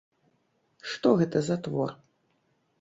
Што гэта за твор?